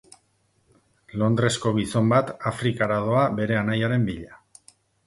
Londresko gizon bat Afrikara doa bere anaiaren bila.